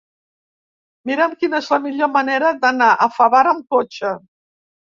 Mira'm quina és la millor manera d'anar a Favara amb cotxe.